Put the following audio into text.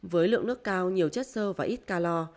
với lượng nước cao nhiều chất sơ và ít calor